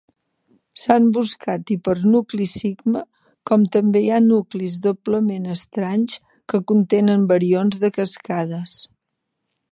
S'han buscat hipernuclis sigma, com també hi ha nuclis doblement estranys que contenen barions de cascades.